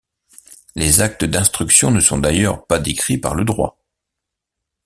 Les actes d’instruction ne sont d’ailleurs pas décrits par le droit.